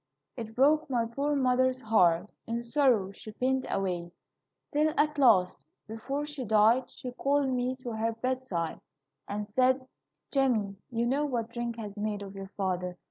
It broke my poor mother's heart. In sorrow she pined away, till, at last, before she died, she called me to her bedside, and said: 'Jamie, you know what drink has made of your father.